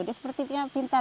dia sepertinya pintar